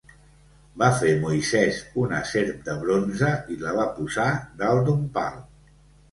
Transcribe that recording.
Va fer Moisés una serp de bronze i la va posar dalt d’un pal.